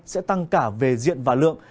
sẽ tăng cả về diện và lượng